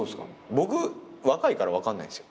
僕若いから分かんないんすよ。